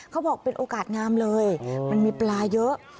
เขาบอกเป็นโอกาสงามเลยมันมีปลาเยอะ